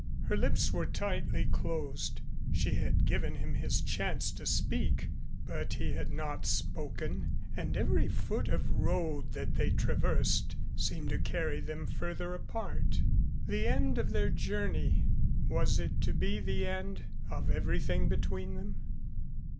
Her lips were tightly closed. She had given him his chance to speak, but he had not spoken and every foot of road that they traversed seemed to carry them further apart. The end of their journey ! Was it to be the end ... of everything between them?